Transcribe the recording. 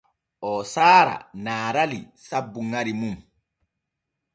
Oo saara Narali sabbu ŋari mum.